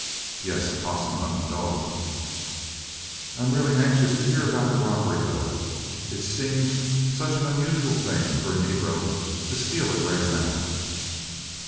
"Yes, a 'possum hunting dog." "I am really anxious to hear about the robbery, though. It seems such an unusual thing for a negro to steal a great amount."